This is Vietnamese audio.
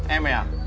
em mày à